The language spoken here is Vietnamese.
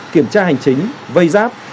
kiểm tra hành chính vây giáp